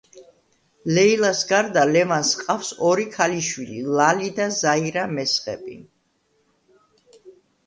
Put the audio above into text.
ლეილას გარდა, ლევანს ჰყავს ორი ქალიშვილი, ლალი და ზაირა მესხები.